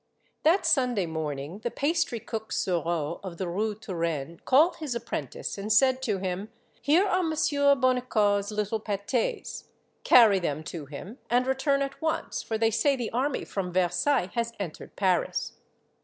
That Sunday morning, the pastry cook Sureau, of the Rue Turenne called his apprentice and said to him,— *' Here are Monsieur Bonnicar's little pates. Carry them to him, and return at once, for they say the army from Versailles has entered Paris."